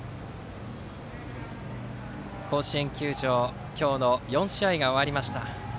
甲子園球場、今日の４試合が終わりました。